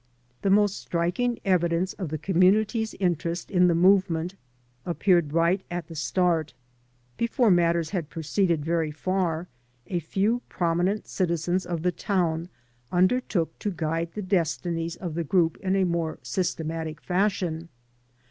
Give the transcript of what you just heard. The most striking evidence of the conununity's interest in the movement appeared right at the start. Before matters had proceeded very far a few prominent citizens of the town undertook to guide the destinies of 4 89 AN AMERICAN IN THE MAKING the group in a more systematic fashion.